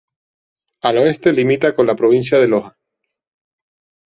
Al oeste limita con la provincia de Loja.